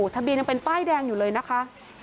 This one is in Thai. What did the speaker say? ทะเบียนยังเป็นป้ายแดงอยู่เลยนะคะ